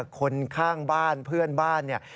คนข้างบ้านเพื่อนบ้าน